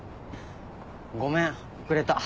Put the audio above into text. ごめん遅れた。